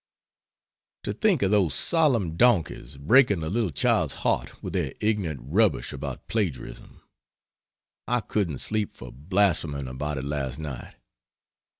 To think of those solemn donkeys breaking a little child's heart with their ignorant rubbish about plagiarism! I couldn't sleep for blaspheming about it last night.